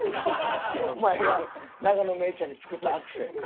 お前が永野芽郁ちゃんに作ったアクセ。